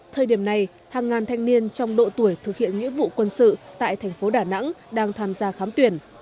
thời điểm này hàng ngàn thanh niên trong độ tuổi thực hiện nghĩa vụ quân sự tại thành phố đà nẵng đang tham gia khám tuyển